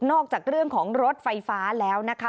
จากเรื่องของรถไฟฟ้าแล้วนะคะ